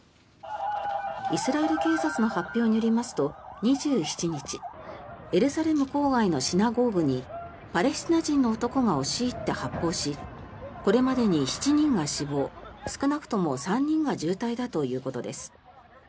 イスラエル警察の発表によりますと、２７日エルサレム郊外のシナゴーグにパレスチナ人の男が押し入って発砲しこれまでに７人が死亡少なくとも３人が重体だということです。